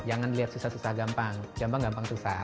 jangan lihat susah susah gampang gampang gampang susah